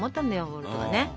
ウォルトはね。